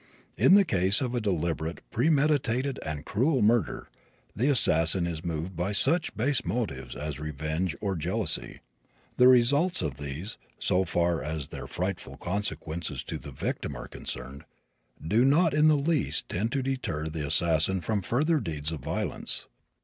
In the case of a deliberate, premeditated and cruel murder, the assassin is moved by such base motives as revenge or jealousy. The results of these, so far as their frightful consequences to the victim are concerned, do not in the least tend to deter the assassin from further deeds of violence.